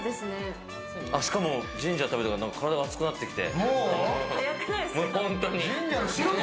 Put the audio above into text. しかもジンジャー食べて、体が熱くなってきた。